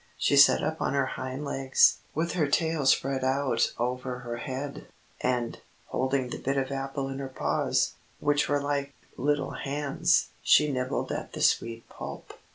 She sat up on her hind legs, with her tail spread out over her head, and, holding the bit of apple in her paws, which were like little hands, she nibbled at the sweet pulp.